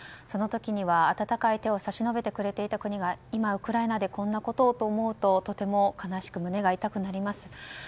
その時には温かい手を差し伸べてくれていた国が今、ウクライナでこんなことをと思うととても悲しく、胸が痛くなります。